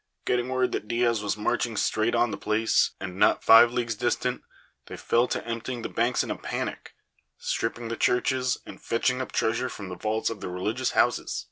Getting word that Diaz was marching straight on the place, and not five leagues distant, they fell to emptying the banks in a panic, stripping the churches, and fetching up treasure from the vaults of the religious houses.